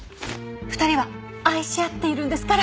２人は愛し合っているんですから。